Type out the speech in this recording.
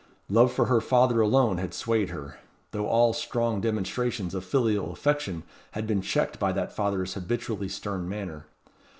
Love for her father alone had swayed her; though all strong demonstrations of filial affection had been checked by that father's habitually stern manner.